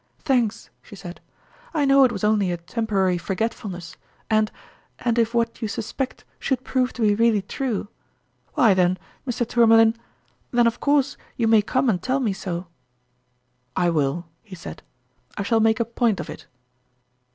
" Thanks," she said. " I know it was only a temporary forgetfulness ; and and if what you suspect should prove to be really true why, then, Mr. Tourmalin, then, of course, you may come and tell me so." "I will," he said. "I shall make a point of it.